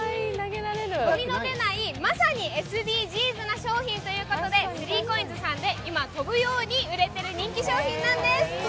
ごみの出ない、まさにＳＤＧｓな商品ということでスリーコインズさんで今、飛ぶように売れている人気商品なんです。